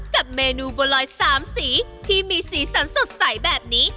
กับเมนูบัวลอย๓สีที่มีสีสันสดใสแบบนี้